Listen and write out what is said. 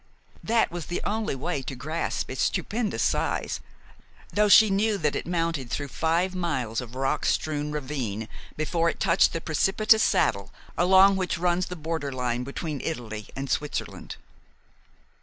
That was the only way to grasp its stupendous size, though she knew that it mounted through five miles of rock strewn ravine before it touched the precipitous saddle along which runs the border line between Italy and Switzerland.